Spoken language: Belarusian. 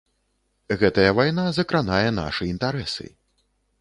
Гэтая вайна закранае нашы інтарэсы.